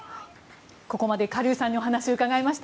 ここまでカ・リュウさんにお話を伺いました。